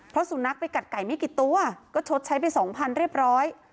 เพราะสุนัขไปกัดไก่ไม่กี่ตัวก็ชดใช้ไปสองพันเรียบร้อย